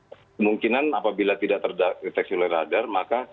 kemungkinan apabila tidak terdeteksi oleh radar maka